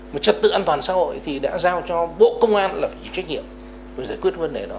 mà trật tự an toàn xã hội thì đã giao cho bộ công an là chịu trách nhiệm với giải quyết vấn đề đó